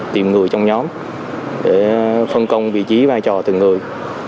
tìm người trong nhóm để phân công vị trí vai trò từng người